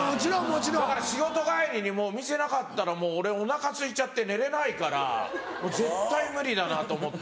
だから仕事帰りにお店なかったらもう俺お腹すいちゃって寝れないからもう絶対無理だなと思って。